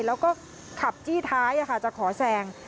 แล้วก็ขับจี้ท้ายจะขอแซง